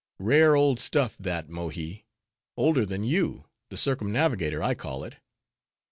Rare old stuff, that, Mohi; older than you: the circumnavigator, I call it.